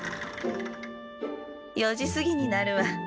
４時過ぎになるわ。